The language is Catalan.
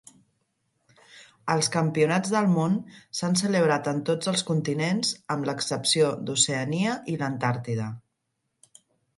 Els Campionats del Món s'han celebrat en tots els continents, amb l'excepció d'Oceania i l'Antàrtida.